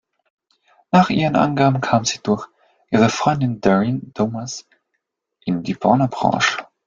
Nach ihren Angaben kam sie durch ihre Freundin Taryn Thomas in die Pornobranche.